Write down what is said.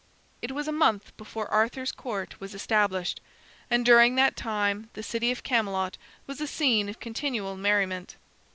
It was a month before Arthur's Court was established, and during that time the city of Camelot was a scene of continual merriment.